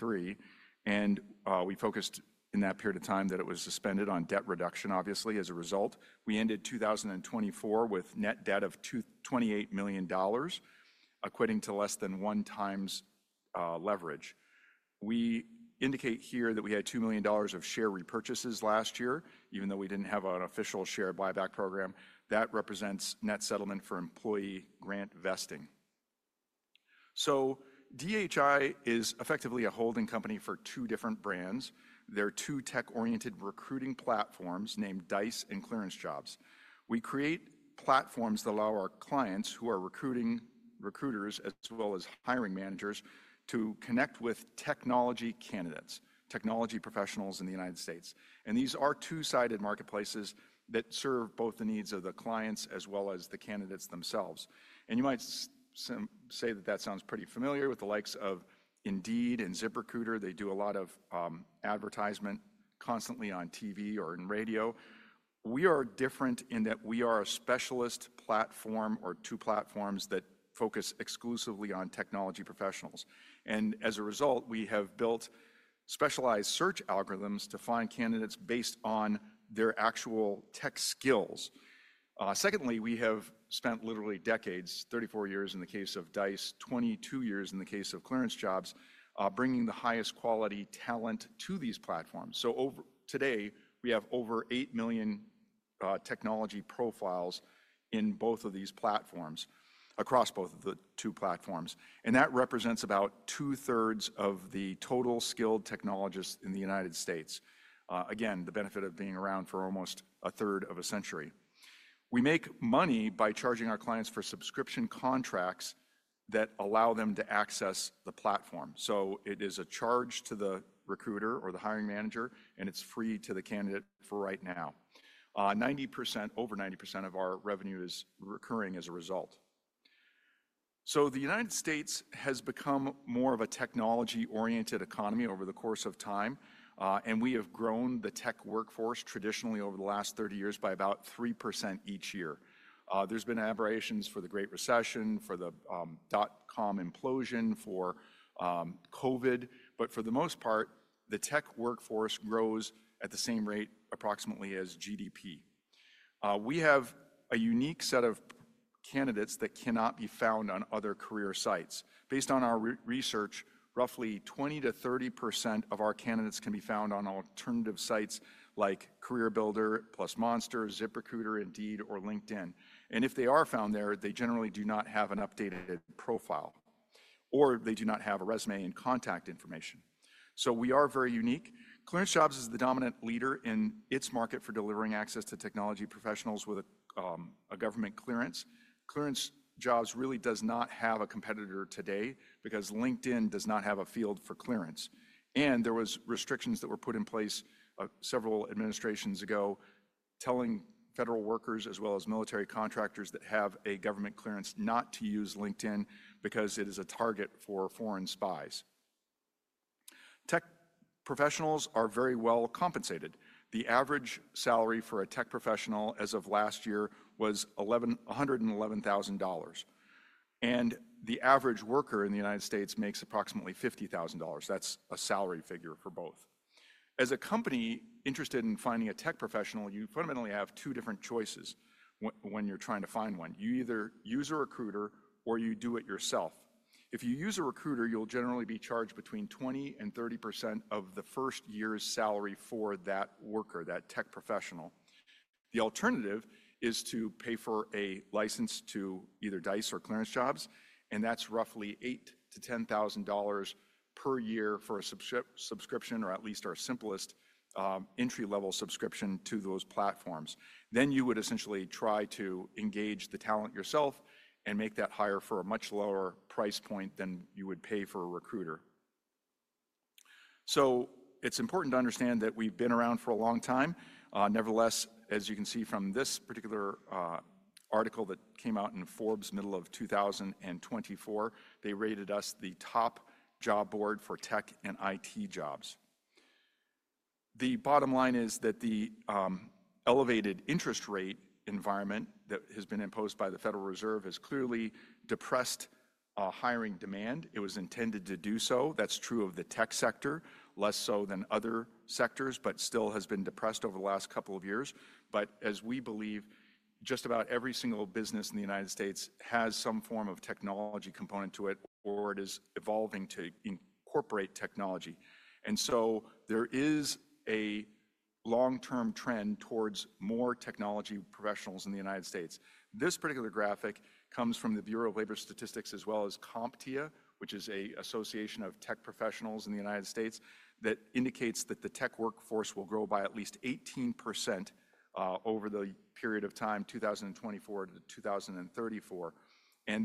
2023, and we focused in that period of time that it was suspended on debt reduction, obviously. As a result, we ended 2024 with net debt of $28 million, equating to less than one time's leverage. We indicate here that we had $2 million of share repurchases last year, even though we didn't have an official share buyback program. That represents net settlement for employee grant vesting. DHI is effectively a holding company for two different brands. They're two tech-oriented recruiting platforms named Dice and ClearanceJobs. We create platforms that allow our clients, who are recruiting recruiters as well as hiring managers, to connect with technology candidates, technology professionals in the United States. These are two-sided marketplaces that serve both the needs of the clients as well as the candidates themselves. You might say that that sounds pretty familiar with the likes of Indeed and ZipRecruiter. They do a lot of advertisement constantly on TV or in radio. We are different in that we are a specialist platform or two platforms that focus exclusively on technology professionals. As a result, we have built specialized search algorithms to find candidates based on their actual tech skills. Secondly, we have spent literally decades, 34 years in the case of Dice, 22 years in the case of ClearanceJobs, bringing the highest quality talent to these platforms. Today, we have over 8 million technology profiles in both of these platforms across both of the two platforms. That represents about two-thirds of the total skilled technologists in the United States. The benefit of being around for almost a third of a century. We make money by charging our clients for subscription contracts that allow them to access the platform. It is a charge to the recruiter or the hiring manager, and it's free to the candidate for right now. Over 90% of our revenue is recurring as a result. The United States has become more of a technology-oriented economy over the course of time, and we have grown the tech workforce traditionally over the last 30 years by about 3% each year. There have been aberrations for the Great Recession, for the dot-com implosion, for COVID, but for the most part, the tech workforce grows at the same rate approximately as GDP. We have a unique set of candidates that cannot be found on other career sites. Based on our research, roughly 20-30% of our candidates can be found on alternative sites like CareerBuilder plus Monster, ZipRecruiter, Indeed, or LinkedIn. If they are found there, they generally do not have an updated profile, or they do not have a resume and contact information. We are very unique. ClearanceJobs is the dominant leader in its market for delivering access to technology professionals with a government clearance. ClearanceJobs really does not have a competitor today because LinkedIn does not have a field for clearance. There were restrictions that were put in place several administrations ago telling federal workers as well as military contractors that have a government clearance not to use LinkedIn because it is a target for foreign spies. Tech professionals are very well compensated. The average salary for a tech professional as of last year was $111,000. The average worker in the United States makes approximately $50,000. That's a salary figure for both. As a company interested in finding a tech professional, you fundamentally have two different choices when you're trying to find one. You either use a recruiter or you do it yourself. If you use a recruiter, you'll generally be charged between 20% and 30% of the first year's salary for that worker, that tech professional. The alternative is to pay for a license to either Dice or ClearanceJobs, and that's roughly $8,000-$10,000 per year for a subscription, or at least our simplest entry-level subscription to those platforms. You would essentially try to engage the talent yourself and make that hire for a much lower price point than you would pay for a recruiter. It is important to understand that we've been around for a long time. Nevertheless, as you can see from this particular article that came out in Forbes middle of 2024, they rated us the top job board for tech and IT jobs. The bottom line is that the elevated interest rate environment that has been imposed by the Federal Reserve has clearly depressed hiring demand. It was intended to do so. That is true of the tech sector, less so than other sectors, but still has been depressed over the last couple of years. As we believe, just about every single business in the United States has some form of technology component to it, or it is evolving to incorporate technology. There is a long-term trend towards more technology professionals in the United States. This particular graphic comes from the Bureau of Labor Statistics as well as CompTIA, which is an association of tech professionals in the United States that indicates that the tech workforce will grow by at least 18% over the period of time 2024-2034.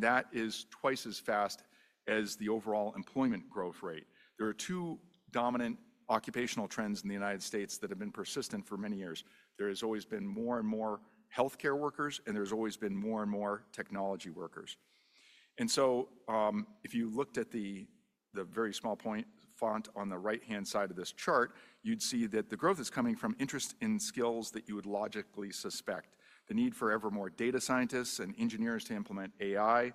That is twice as fast as the overall employment growth rate. There are two dominant occupational trends in the United States that have been persistent for many years. There has always been more and more healthcare workers, and there has always been more and more technology workers. If you looked at the very small font on the right-hand side of this chart, you'd see that the growth is coming from interest in skills that you would logically suspect, the need for ever more data scientists and engineers to implement AI,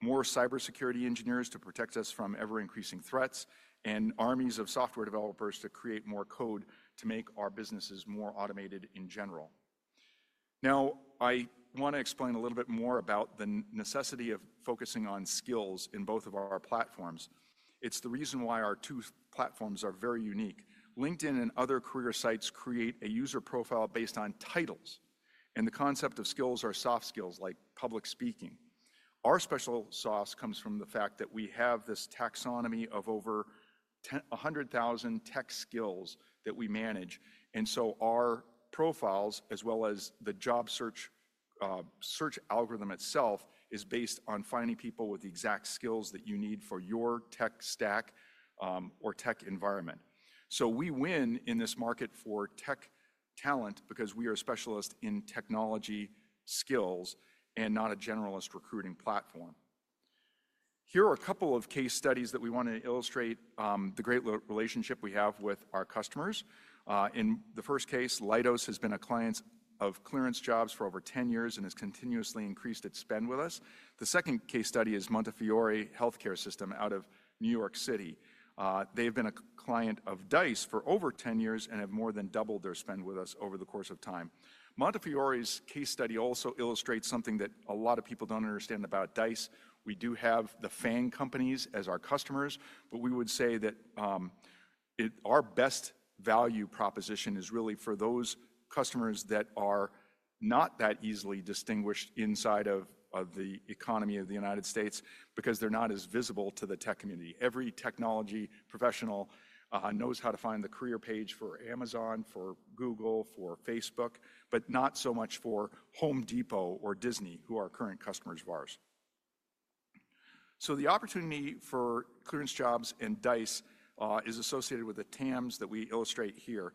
more cybersecurity engineers to protect us from ever-increasing threats, and armies of software developers to create more code to make our businesses more automated in general. I want to explain a little bit more about the necessity of focusing on skills in both of our platforms. It's the reason why our two platforms are very unique. LinkedIn and other career sites create a user profile based on titles. The concept of skills are soft skills like public speaking. Our special sauce comes from the fact that we have this taxonomy of over 100,000 tech skills that we manage. Our profiles, as well as the job search algorithm itself, is based on finding people with the exact skills that you need for your tech stack or tech environment. We win in this market for tech talent because we are specialists in technology skills and not a generalist recruiting platform. Here are a couple of case studies that we want to illustrate the great relationship we have with our customers. In the first case, Leidos has been a client of ClearanceJobs for over 10 years and has continuously increased its spend with us. The second case study is Montefiore Healthcare System out of New York City. They have been a client of Dice for over 10 years and have more than doubled their spend with us over the course of time. Montefiore's case study also illustrates something that a lot of people don't understand about Dice. We do have the FANG companies as our customers, but we would say that our best value proposition is really for those customers that are not that easily distinguished inside of the economy of the United States because they're not as visible to the tech community. Every technology professional knows how to find the career page for Amazon, for Google, for Facebook, but not so much for Home Depot or Disney, who are current customers of ours. The opportunity for ClearanceJobs and Dice is associated with the TAMS that we illustrate here.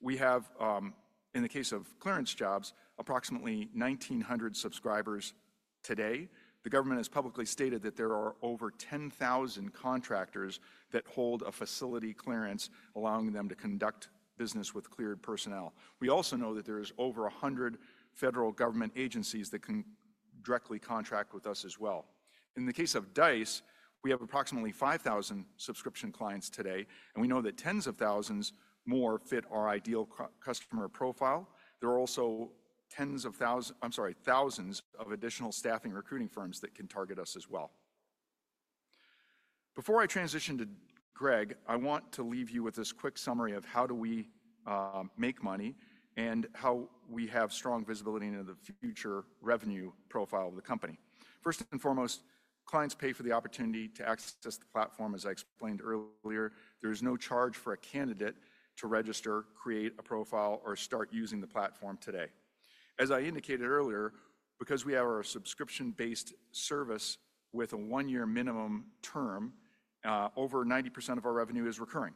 We have, in the case of ClearanceJobs, approximately 1,900 subscribers today. The government has publicly stated that there are over 10,000 contractors that hold a facility clearance, allowing them to conduct business with cleared personnel. We also know that there are over 100 federal government agencies that can directly contract with us as well. In the case of Dice, we have approximately 5,000 subscription clients today, and we know that tens of thousands more fit our ideal customer profile. There are also thousands of additional staffing recruiting firms that can target us as well. Before I transition to Greg, I want to leave you with this quick summary of how do we make money and how we have strong visibility into the future revenue profile of the company. First and foremost, clients pay for the opportunity to access the platform, as I explained earlier. There is no charge for a candidate to register, create a profile, or start using the platform today. As I indicated earlier, because we have our subscription-based service with a one-year minimum term, over 90% of our revenue is recurring.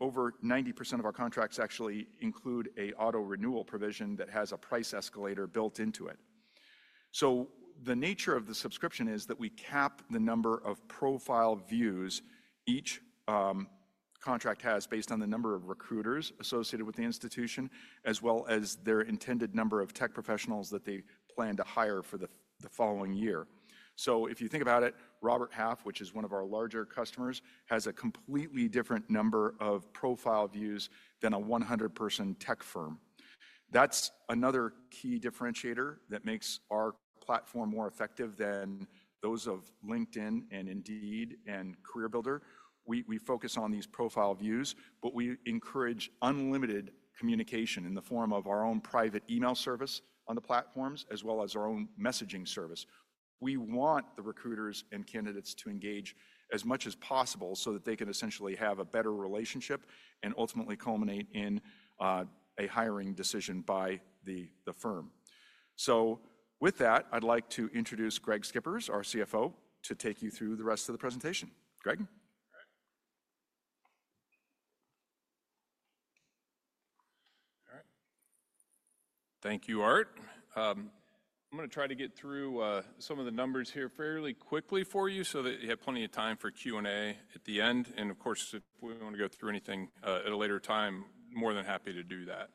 Over 90% of our contracts actually include an auto-renewal provision that has a price escalator built into it. The nature of the subscription is that we cap the number of profile views each contract has based on the number of recruiters associated with the institution, as well as their intended number of tech professionals that they plan to hire for the following year. If you think about it, Robert Half, which is one of our larger customers, has a completely different number of profile views than a 100-person tech firm. That's another key differentiator that makes our platform more effective than those of LinkedIn, Indeed, and CareerBuilder. We focus on these profile views, but we encourage unlimited communication in the form of our own private email service on the platforms, as well as our own messaging service. We want the recruiters and candidates to engage as much as possible so that they can essentially have a better relationship and ultimately culminate in a hiring decision by the firm. With that, I'd like to introduce Greg Schippers, our CFO, to take you through the rest of the presentation. Greg? All right. Thank you, Art. I'm going to try to get through some of the numbers here fairly quickly for you so that you have plenty of time for Q&A at the end. Of course, if we want to go through anything at a later time, more than happy to do that.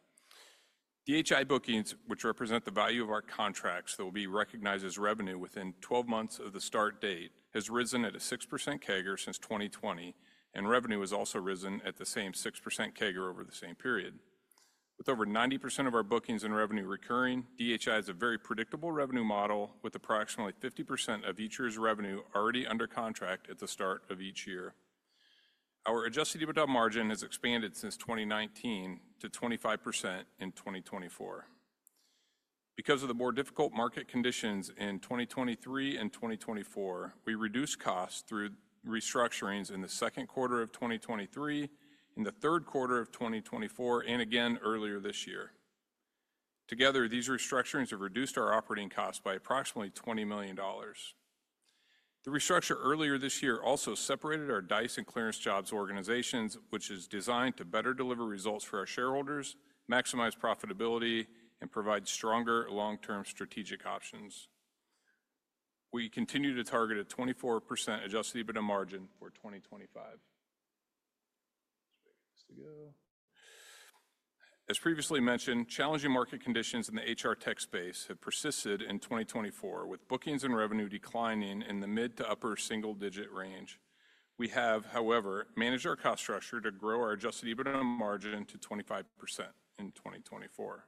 DHI bookings, which represent the value of our contracts that will be recognized as revenue within 12 months of the start date, have risen at a 6% CAGR since 2020, and revenue has also risen at the same 6% CAGR over the same period. With over 90% of our bookings and revenue recurring, DHI is a very predictable revenue model with approximately 50% of each year's revenue already under contract at the start of each year. Our adjusted EBITDA margin has expanded since 2019 to 25% in 2024. Because of the more difficult market conditions in 2023 and 2024, we reduced costs through restructurings in the second quarter of 2023, in the third quarter of 2024, and again earlier this year. Together, these restructurings have reduced our operating costs by approximately $20 million. The restructure earlier this year also separated our Dice and ClearanceJobs organizations, which is designed to better deliver results for our shareholders, maximize profitability, and provide stronger long-term strategic options. We continue to target a 24% adjusted EBITDA margin for 2025. As previously mentioned, challenging market conditions in the HR tech space have persisted in 2024, with bookings and revenue declining in the mid to upper single-digit range. We have, however, managed our cost structure to grow our adjusted EBITDA margin to 25% in 2024.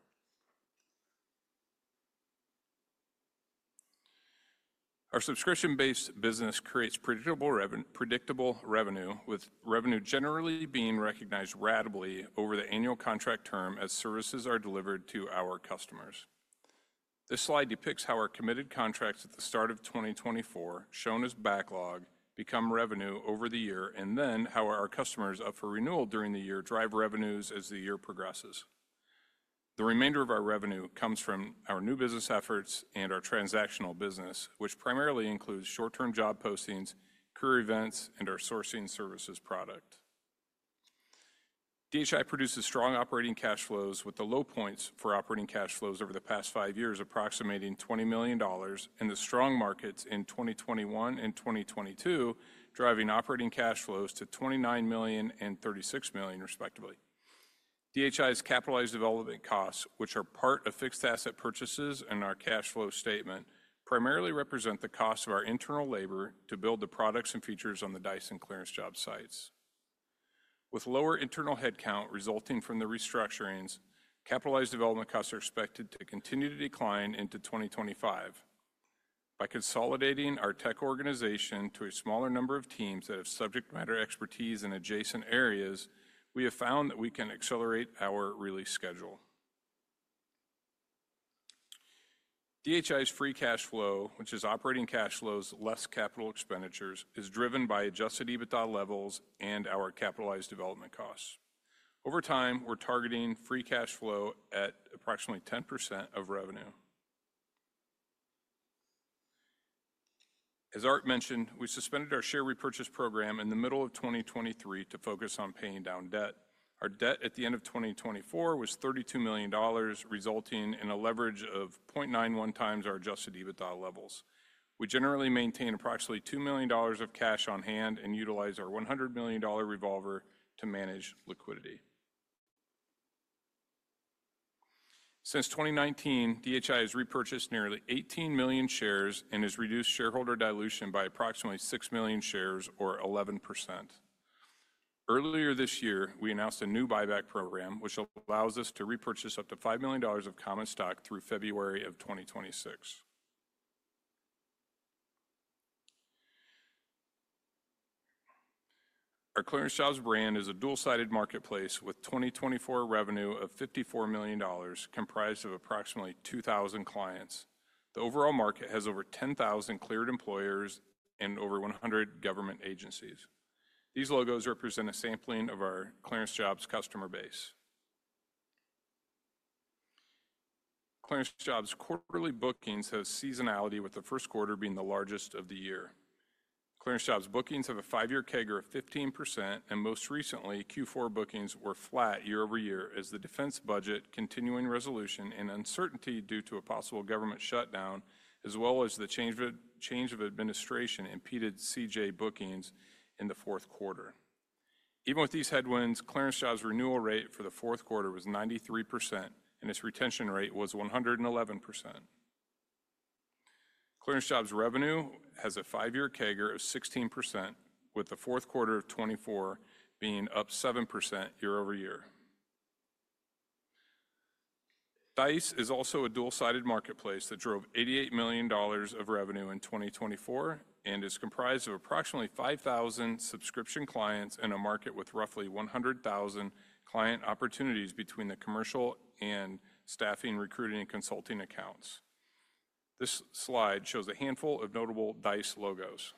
Our subscription-based business creates predictable revenue, with revenue generally being recognized ratably over the annual contract term as services are delivered to our customers. This slide depicts how our committed contracts at the start of 2024, shown as backlog, become revenue over the year, and then how our customers up for renewal during the year drive revenues as the year progresses. The remainder of our revenue comes from our new business efforts and our transactional business, which primarily includes short-term job postings, career events, and our sourcing services product. DHI produces strong operating cash flows with the low points for operating cash flows over the past five years approximating $20 million, and the strong markets in 2021 and 2022 driving operating cash flows to $29 million and $36 million, respectively. DHI's capitalized development costs, which are part of fixed asset purchases in our cash flow statement, primarily represent the cost of our internal labor to build the products and features on the Dice and ClearanceJobs sites. With lower internal headcount resulting from the restructurings, capitalized development costs are expected to continue to decline into 2025. By consolidating our tech organization to a smaller number of teams that have subject matter expertise in adjacent areas, we have found that we can accelerate our release schedule. DHI's free cash flow, which is operating cash flows less capital expenditures, is driven by adjusted EBITDA levels and our capitalized development costs. Over time, we're targeting free cash flow at approximately 10% of revenue. As Art mentioned, we suspended our share repurchase program in the middle of 2023 to focus on paying down debt. Our debt at the end of 2024 was $32 million, resulting in a leverage of 0.91 times our adjusted EBITDA levels. We generally maintain approximately $2 million of cash on hand and utilize our $100 million revolver to manage liquidity. Since 2019, DHI has repurchased nearly 18 million shares and has reduced shareholder dilution by approximately 6 million shares, or 11%. Earlier this year, we announced a new buyback program, which allows us to repurchase up to $5 million of common stock through February of 2026. Our ClearanceJobs brand is a dual-sided marketplace with 2024 revenue of $54 million, comprised of approximately 2,000 clients. The overall market has over 10,000 cleared employers and over 100 government agencies. These logos represent a sampling of our ClearanceJobs customer base. ClearanceJobs quarterly bookings have seasonality, with the first quarter being the largest of the year. ClearanceJobs bookings have a five-year CAGR of 15%, and most recently, Q4 bookings were flat year over year as the defense budget continuing resolution and uncertainty due to a possible government shutdown, as well as the change of administration impeded CJ bookings in the fourth quarter. Even with these headwinds, ClearanceJobs' renewal rate for the fourth quarter was 93%, and its retention rate was 111%. ClearanceJobs' revenue has a five-year CAGR of 16%, with the fourth quarter of 2024 being up 7% year over year. Dice is also a dual-sided marketplace that drove $88 million of revenue in 2024 and is comprised of approximately 5,000 subscription clients and a market with roughly 100,000 client opportunities between the commercial and staffing, recruiting, and consulting accounts. This slide shows a handful of notable Dice logos.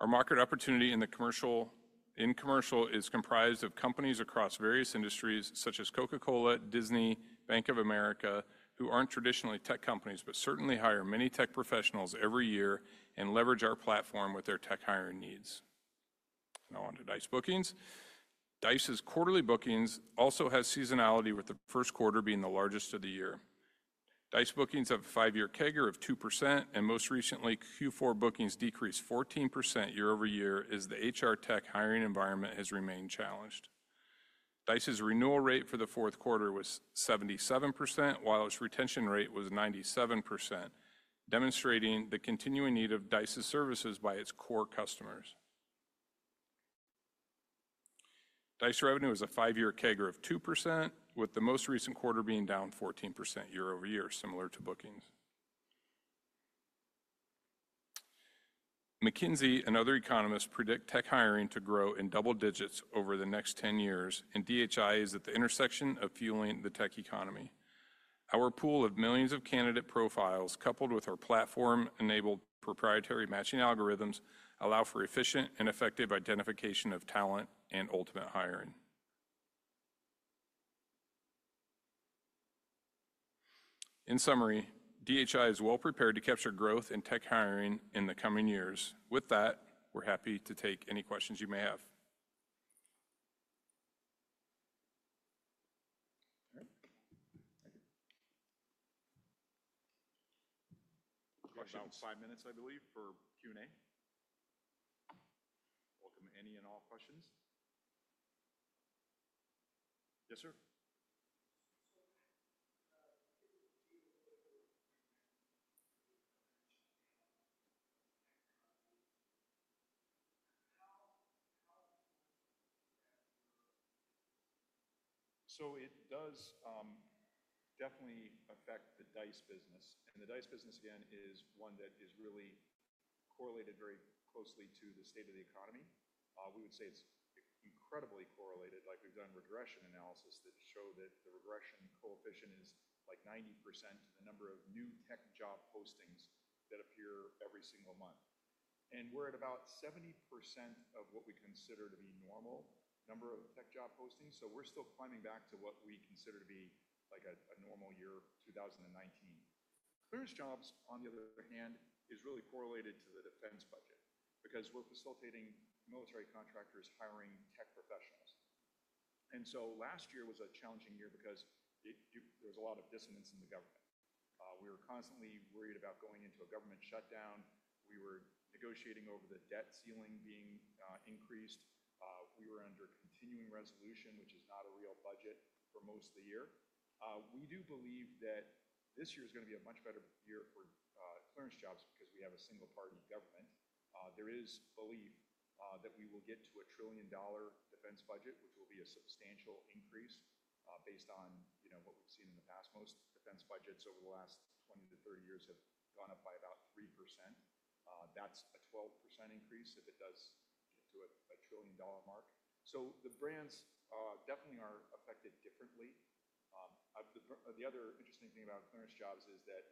Our market opportunity in commercial is comprised of companies across various industries, such as Coca-Cola, Disney, and Bank of America, who aren't traditionally tech companies but certainly hire many tech professionals every year and leverage our platform with their tech hiring needs. Now on to Dice bookings. Dice's quarterly bookings also have seasonality, with the first quarter being the largest of the year. Dice bookings have a five-year CAGR of 2%, and most recently, Q4 bookings decreased 14% year over year as the HR tech hiring environment has remained challenged. Dice's renewal rate for the fourth quarter was 77%, while its retention rate was 97%, demonstrating the continuing need of Dice's services by its core customers. Dice revenue has a five-year CAGR of 2%, with the most recent quarter being down 14% year over year, similar to bookings. McKinsey and other economists predict tech hiring to grow in double digits over the next 10 years, and DHI is at the intersection of fueling the tech economy. Our pool of millions of candidate profiles, coupled with our platform-enabled proprietary matching algorithms, allows for efficient and effective identification of talent and ultimate hiring. In summary, DHI is well prepared to capture growth in tech hiring in the coming years. With that, we're happy to take any questions you may have. Questions? Five minutes, I believe, for Q&A. Welcome any and all questions. Yes, sir. It does definitely affect the Dice business. The Dice business, again, is one that is really correlated very closely to the state of the economy. We would say it's incredibly correlated. Like we've done regression analysis that show that the regression coefficient is like 90% of the number of new tech job postings that appear every single month. We're at about 70% of what we consider to be normal number of tech job postings. We're still climbing back to what we consider to be like a normal year of 2019. ClearanceJobs, on the other hand, are really correlated to the defense budget because we're facilitating military contractors hiring tech professionals. Last year was a challenging year because there was a lot of dissonance in the government. We were constantly worried about going into a government shutdown. We were negotiating over the debt ceiling being increased. We were under continuing resolution, which is not a real budget for most of the year. We do believe that this year is going to be a much better year for ClearanceJobs because we have a single-party government. There is belief that we will get to a $1 trillion defense budget, which will be a substantial increase based on what we've seen in the past. Most defense budgets over the last 20 to 30 years have gone up by about 3%. That is a 12% increase if it does get to a $1 trillion mark. The brands definitely are affected differently. The other interesting thing about ClearanceJobs is that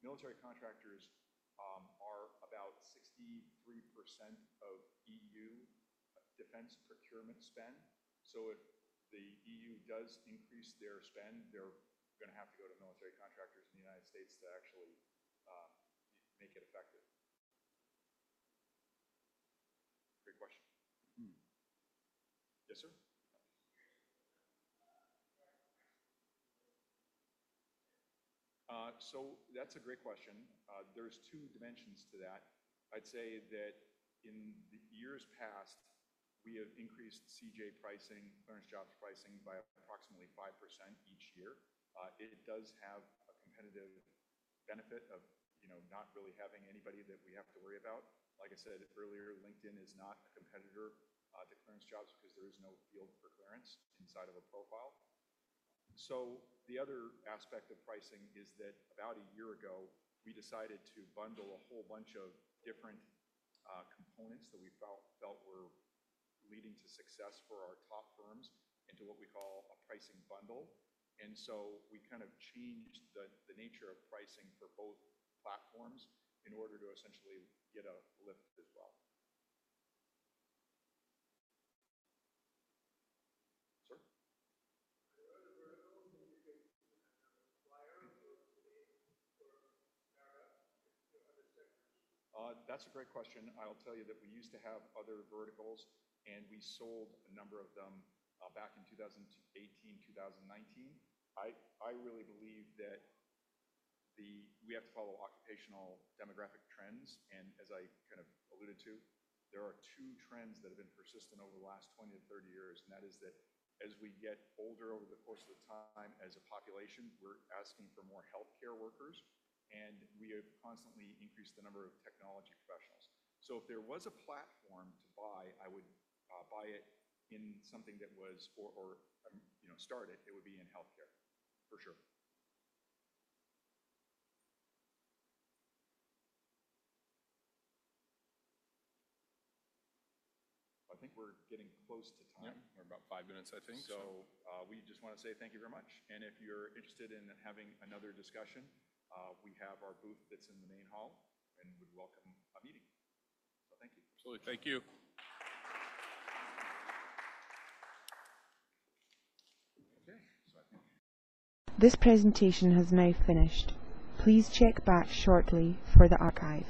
military contractors are about 63% of EU defense procurement spend. If the EU does increase their spend, they are going to have to go to military contractors in the United States to actually make it effective. Great question. Yes, sir. That's a great question. There are two dimensions to that. I'd say that in years past, we have increased CJ pricing, ClearanceJobs pricing, by approximately 5% each year. It does have a competitive benefit of not really having anybody that we have to worry about. Like I said earlier, LinkedIn is not a competitor to ClearanceJobs because there is no field for clearance inside of a profile. The other aspect of pricing is that about a year ago, we decided to bundle a whole bunch of different components that we felt were leading to success for our top firms into what we call a pricing bundle. We kind of changed the nature of pricing for both platforms in order to essentially get a lift as well. Sir, that's a great question. I'll tell you that we used to have other verticals, and we sold a number of them back in 2018, 2019. I really believe that we have to follow occupational demographic trends. As I kind of alluded to, there are two trends that have been persistent over the last 20 to 30 years, and that is that as we get older over the course of time as a population, we're asking for more healthcare workers, and we have constantly increased the number of technology professionals. If there was a platform to buy, I would buy it in something that was or start it, it would be in healthcare, for sure. I think we're getting close to time. We're about five minutes, I think. We just want to say thank you very much. If you're interested in having another discussion, we have our booth that's in the main hall and would welcome a meeting. Thank you. Absolutely. Thank you. Okay. I think this presentation has now finished. Please check back shortly for the archive.